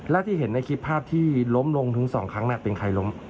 และที่เห็นในคลิปภาพที่ล้มลงถึง๒ครั้งเป็นใครล้ม